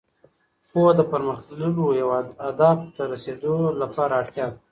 پوهه د پرمختللو اهدافو ته رسېدو لپاره اړتیا ده.